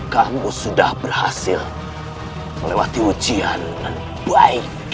kamu sudah berhasil melewati ujian dengan baik